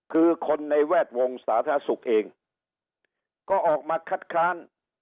คือคนในแวดวงสาธารณสุขเองก็ออกมาคัดค้าน